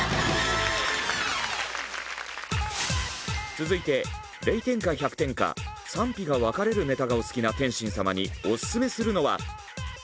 続いて０点か１００点か賛否が分かれるネタがお好きな天心様にオススメするのは。